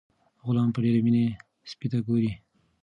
غلام په ډیره مینه سپي ته ګوري.